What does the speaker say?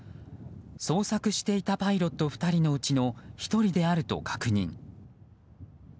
捜索していたパイロット２人のうちの１人であると確認。